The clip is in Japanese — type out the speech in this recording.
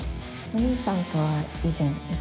お兄さんとは以前一度